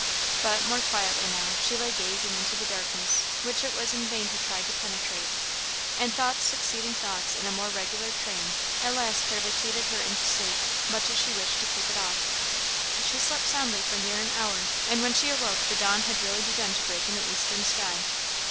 But, more quietly now, she lay gazing into the darkness, which it was in vain to try to penetrate; and thoughts succeeding thoughts in a more regular train, at last fairly cheated her into sleep, much as she wished to keep it off. She slept soundly for near an hour; and when she awoke, the dawn had really begun to break in the eastern sky.